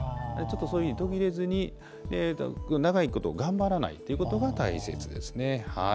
そういうふうに途切れずに長いこと頑張らないということが大切ですね。